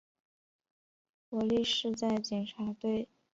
窝利士在警察队司职中锋或右翼。